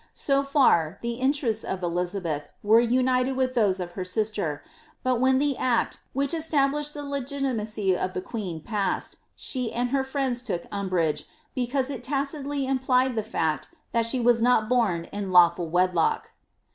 So &r, the interests of Elizabeth were uoited with those of her sister, but when the act which established the leritimncy of the queen passed, she and her friends took umbrage, be cause it tacitly implied the £ict that she was not born in lawful wed lock.